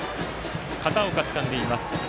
片岡がつかんでいます。